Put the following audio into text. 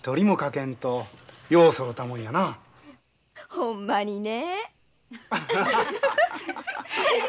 ほんまにね。